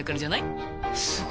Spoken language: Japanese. すご！